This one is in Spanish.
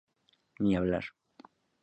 Ni hablar.